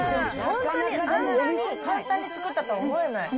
本当に、あんなに簡単に作ったとは思えない。